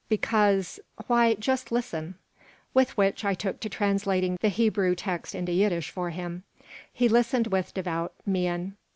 "Because Why, just listen." With which I took to translating the Hebrew text into Yiddish for him He listened with devout mien.